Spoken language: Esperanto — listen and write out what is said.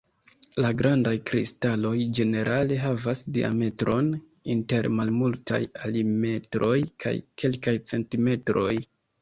La grandaj kristaloj ĝenerale havas diametron inter malmultaj milimetroj kaj kelkaj centimetroj.